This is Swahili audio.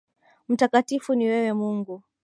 Mtakatifu ni wewe Mungu.